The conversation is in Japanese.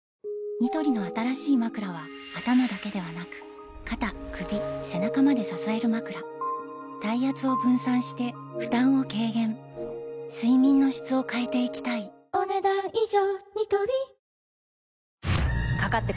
ニトリの新しいまくらは頭だけではなく肩・首・背中まで支えるまくら体圧を分散して負担を軽減睡眠の質を変えていきたいお、ねだん以上。